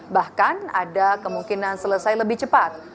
bahkan ada kemungkinan selesai lebih cepat